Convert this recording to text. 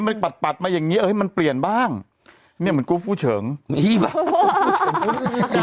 อยู่แต่เละมันเห็นด้านข้างพี่หนุ่มเนอะ